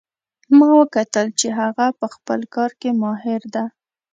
ما وکتل چې هغه په خپل کار کې ماهر ده